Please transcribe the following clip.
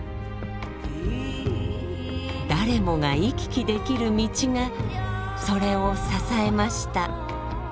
誰もが行き来できる道がそれを支えました。